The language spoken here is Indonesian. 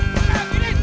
tentang di sini